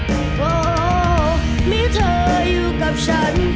ก็พอมีเธออยู่กับฉัน